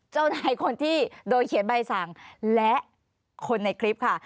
นายคนที่โดยเขียนใบสั่งและคนในคลิปค่ะ